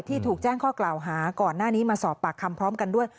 ถูกแจ้งข้อกล่าวหาก่อนหน้านี้มาสอบปากคำพร้อมกันด้วย